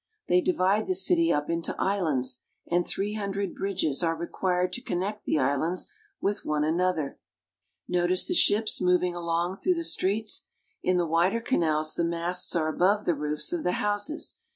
They divide the city up into islands, and three hundred bridges are required to connect the islands with one another. Notice the ships moving along through the streets ; in the wider canals the masts are above the roofs of the houses.